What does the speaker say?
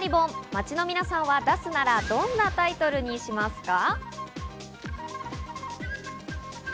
街の皆さんは出すならどんなタイトルにしますか？